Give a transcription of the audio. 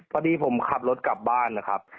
พอดีผมขับรถกลับบ้านนะครับ